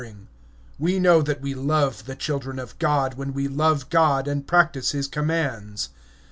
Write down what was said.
(2)In this we know that we love the children of God, when we love God, and do his commandments.